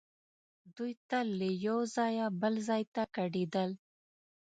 دوی تل له یو ځایه بل ځای ته کډېدل.